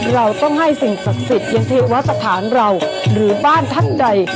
เราต้องให้สิ่งศักดิ์สิทธิ์อย่างเทวสถานเราหรือบ้านท่านใด